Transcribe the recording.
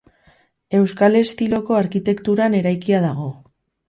Euskal estiloko arkitekturan eraikia dago.